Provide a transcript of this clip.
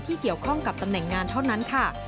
เกี่ยวข้องกับตำแหน่งงานเท่านั้นค่ะ